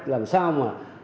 làm sao mà